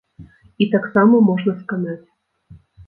І таксама можа сканаць.